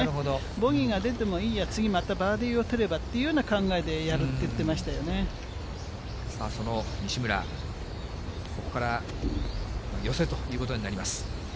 ボギーが出てもいいや、次またバーディーを取ればっていうようなさあ、その西村、ここから寄せということになります。